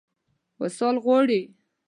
وصال غواړي.